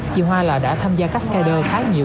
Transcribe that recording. chị hoa là đã tham gia cascader khá nhiều